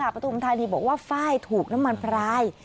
ประธุมธรรมดีบอกว่าไฟ่ถูกน้ำมันพลาย